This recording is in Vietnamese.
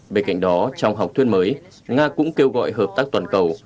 bên cạnh đó trong học thuyết mới nga cũng kêu gọi hợp tác toàn cầu